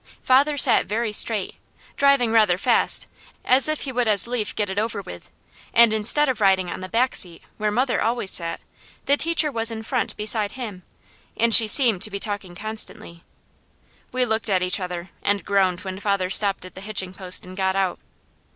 Father sat very straight, driving rather fast, as if he would as lief get it over with, and instead of riding on the back seat, where mother always sat, the teacher was in front beside him, and she seemed to be talking constantly. We looked at each other and groaned when father stopped at the hitching post and got out.